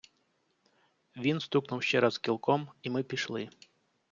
Він стукнув ще раз кілком, i ми пішли.